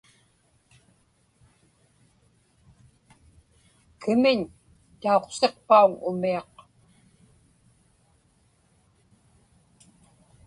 Kimiñ tauqsiqpauŋ umiaq?